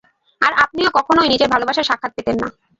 আর আপনিও কখনোই নিজের ভালোবাসার সাক্ষাৎ পেতেন না।